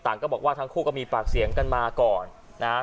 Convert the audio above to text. ก็บอกว่าทั้งคู่ก็มีปากเสียงกันมาก่อนนะฮะ